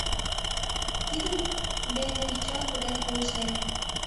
Тидын дене чон пытен кугешнем.